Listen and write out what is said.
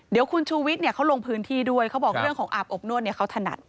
เดี๋ยวคุณชูวิทย์เขาลงพื้นที่ด้วยเขาบอกเรื่องของอาบอบนวดเนี่ยเขาถนัด